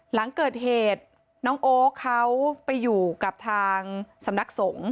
หลังเกิดเหตุน้องโอ๊คเขาไปอยู่กับทางสำนักสงฆ์